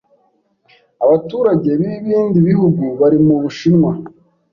abaturage b'ibindi bihugu bari mu Bushinwa